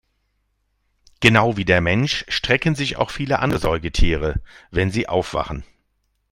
Genau wie der Mensch strecken sich auch viele andere Säugetiere, wenn sie aufwachen.